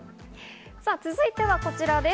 続いてはこちらです。